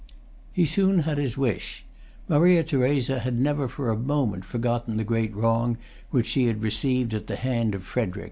He soon had his wish. Maria Theresa had never for a moment forgotten the great wrong which she had received at the hand of Frederic.